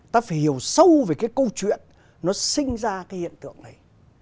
ta phải hiểu sâu về cái câu chuyện nó sinh ra cái hiện tượng này